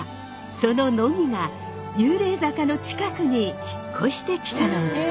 その乃木が幽霊坂の近くに引っ越してきたのです。